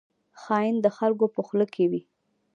خاین د خلکو په خوله کې وي